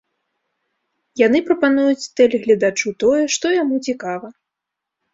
Яны прапануюць тэлегледачу тое, што яму цікава.